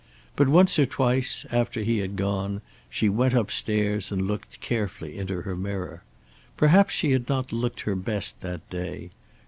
But once or twice, after he had gone, she went upstairs and looked carefully into her mirror. Perhaps she had not looked her best that day.